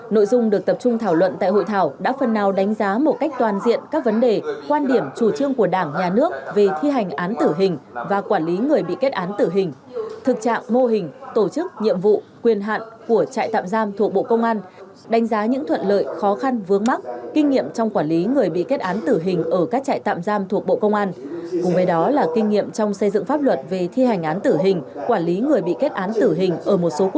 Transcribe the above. nội dung được tập trung thảo luận tại hội thảo đã phần nào đánh giá một cách toàn diện các vấn đề quan điểm chủ trương của đảng nhà nước về thi hành án tử hình và quản lý người bị kết án tử hình thực trạng mô hình tổ chức nhiệm vụ quyền hạn của trại tạm giam thuộc bộ công an đánh giá những thuận lợi khó khăn vướng mắt kinh nghiệm trong quản lý người bị kết án tử hình ở các trại tạm giam thuộc bộ công an cùng với đó là kinh nghiệm trong xây dựng pháp luật về thi hành án tử hình quản lý người bị kết án tử hình ở